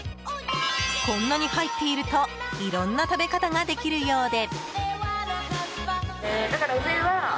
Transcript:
こんなに入っているといろんな食べ方ができるようで。